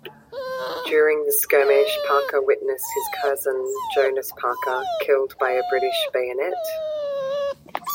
During the skirmish Parker witnessed his cousin Jonas Parker killed by a British bayonet.